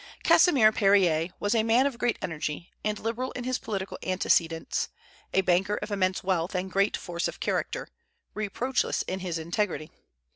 Casimir Périer was a man of great energy, and liberal in his political antecedents, a banker of immense wealth and great force of character, reproachless in his integrity.